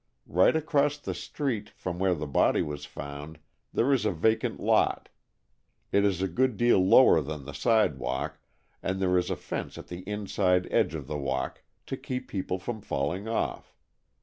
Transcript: Right across the street from where the body was found there is a vacant lot. It is a good deal lower than the sidewalk and there is a fence at the inside edge of the walk to keep people from falling off.